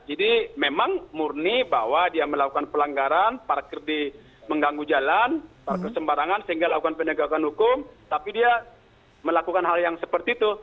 jadi memang murni bahwa dia melakukan pelanggaran parkir di mengganggu jalan parkir sembarangan sehingga melakukan pendegakan hukum tapi dia melakukan hal yang seperti itu